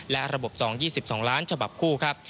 และระบบจอง๒๒ล้านฉบับคู่ครับ